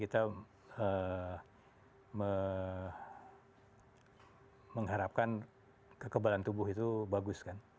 kita mengharapkan kekebalan tubuh itu bagus kan